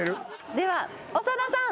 では長田さん